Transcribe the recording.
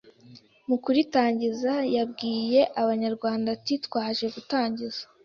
Mu kuritangiza yabwiye abanyarwanda ati: „Twaje gutangiza